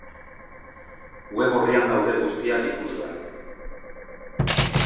Web orrian daude guztiak ikusgai.